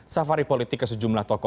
safari politik ke sejumlah tokoh